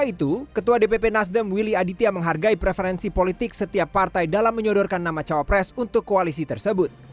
selain itu ketua dpp nasdem willy aditya menghargai preferensi politik setiap partai dalam menyodorkan nama cawapres untuk koalisi tersebut